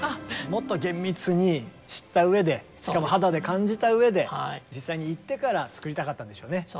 もっと厳密に知ったうえでしかも肌で感じたうえで実際に行ってから作りたかったんでしょうね。